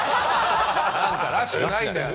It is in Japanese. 何からしくないんだよな。